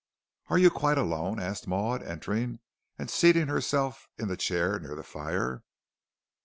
"Are you quite alone?" asked Maud, entering, and seating herself in the chair near the fire.